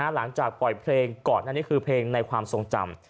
หลังจากปล่อยเพลงก่อนอันนี้คือเพลงในความทรงจำ